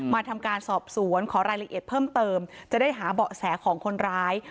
มาทำการสอบสวนขอรายละเอียดเพิ่มเติมจะได้หาเบาะแสของคนร้าย